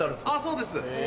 そうです。